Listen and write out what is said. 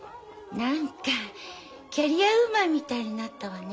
何かキャリアウーマンみたいになったわね。